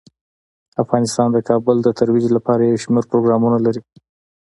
افغانستان د کابل د ترویج لپاره یو شمیر پروګرامونه لري.